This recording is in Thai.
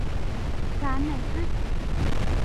ร้านไหนฮะ